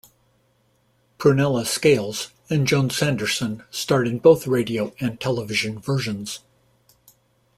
Prunella Scales and Joan Sanderson starred in both radio and television versions.